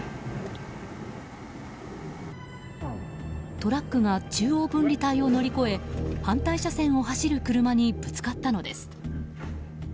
トラックが中央分離帯を乗り越え反対車線を走る車にぶつかったのです。